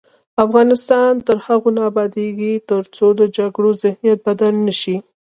افغانستان تر هغو نه ابادیږي، ترڅو د جګړې ذهنیت بدل نه شي.